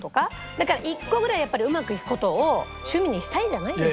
だから１個ぐらいうまくいく事を趣味にしたいじゃないですか。